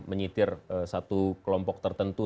menyitir satu kelompok tertentu